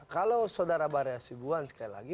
kalau saudara baria sibuan sekali lagi